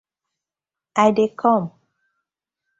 I dey kom.